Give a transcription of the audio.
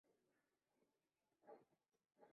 সোনা, বিয়েটা হচ্ছে আপসের ব্যপার।